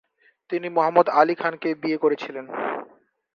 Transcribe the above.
তিনি মোহাম্মদ আলী খানকে বিয়ে করেছিলেন।